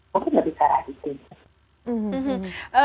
mungkin lebih cara adik adik